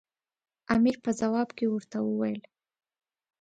امیر په ځواب کې ورته وویل.